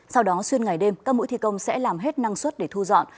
sau đó xuyên ngày đêm các mũi thi công sẽ làm hết năng suất để thu dọn